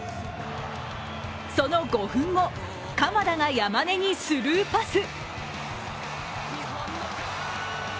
その５分後、鎌田が山根にスルーパス。